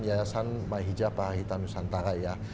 yayasan mahijapahitah nusantara ya